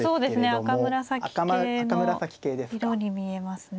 赤紫系の色に見えますね。